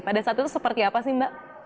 pada saat itu seperti apa sih mbak